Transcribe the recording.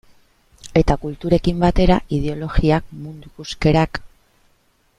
Eta kulturekin batera ideologiak, mundu ikuskerak...